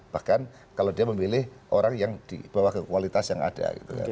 bahkan kalau dia memilih orang yang dibawa ke kualitas yang ada